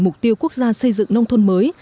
mục tiêu quốc gia xây dựng nông thôn mới